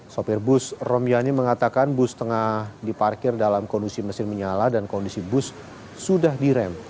sopir bus romiani mengatakan bus tengah diparkir dalam kondisi mesin menyala dan kondisi bus sudah direm